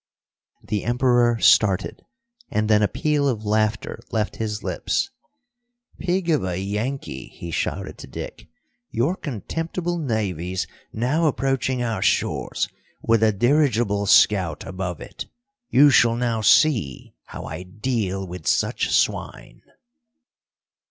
The Emperor started, and then a peal of laughter left his lips. "Pig of a Yankee," he shouted to Dick, "your contemptible navy's now approaching our shores, with a dirigible scout above it. You shall now see how I deal with such swine!"